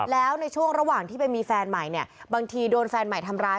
แล้วในช่วงระหว่างที่ไปมีแฟนใหม่เนี่ยบางทีโดนแฟนใหม่ทำร้าย